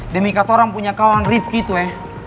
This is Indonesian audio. demi katorang punya kawang rifki itu ya